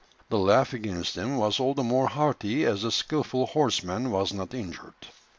The laugh against him was all the more hearty as the skilful horseman was not injured.